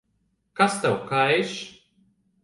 Kas tev kaiš?